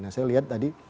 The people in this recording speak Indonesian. nah saya lihat tadi